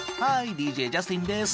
ＤＪジャスティンです。